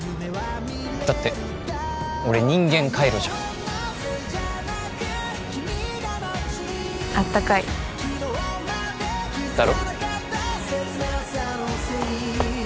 だって俺人間カイロじゃんあったかいだろ？